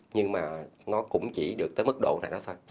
nhưng mà nó cũng chỉ được tới mức độ này đó thôi